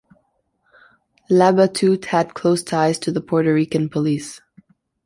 Labatut had close ties to the Puerto Rican police.